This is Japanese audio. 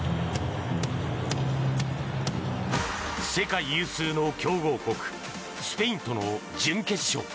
世界有数の強豪国スペインとの準決勝。